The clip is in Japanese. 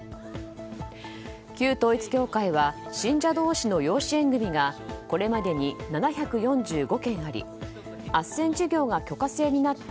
旧統一教会は信者同士の養子縁組がこれまでに７４５件ありあっせん事業が許可制になった